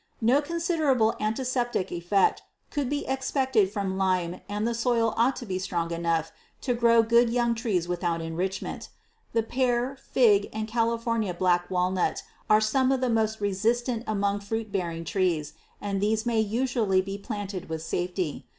No considerable antiseptic effect could be expected from lime and the soil ought to be strong enough to grow good young trees without enrichment. The pear, fig and California black walnut are some of the most resistant among fruit bearing trees, and these may usually be planted with safety.